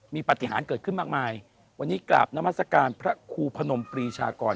มีปฏิหารเกิดขึ้นมากมายวันนี้กราบนามัศกาลพระครูพนมปรีชากร